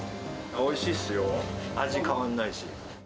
おいしいっすよ、味変わらないし。